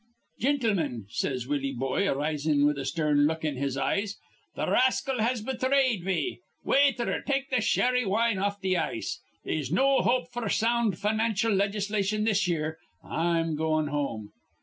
'Gintlemin,' says Willie Boye, arisin' with a stern look in his eyes, 'th' rascal has bethrayed me. Waither, take th' sherry wine off th' ice. They'se no hope f'r sound financial legislation this year. I'm goin' home.'